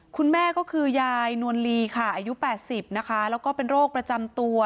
คุณแม่ก็คือยายนวลลีค่ะอายุ๘๐นะคะแล้วก็เป็นโรคประจำตัว